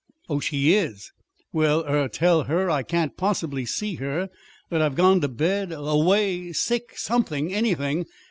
"Oh, she is! Well er, tell her I can't possibly see her; that I've gone to bed away sick something! Anything!